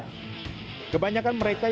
kebanyakan mereka yang membeli ini